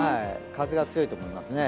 風が強いと思いますね。